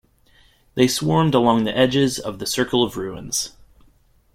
They swarmed along the edges of the circle of ruins.